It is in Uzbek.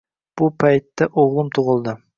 Bu paytda o‘g‘lim tug‘ildi